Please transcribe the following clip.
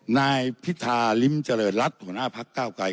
นายพิธาลิ้มเจริญรัฐหัวหน้าพักเก้าไกร